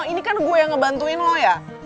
ini kan gue yang ngebantuin lo ya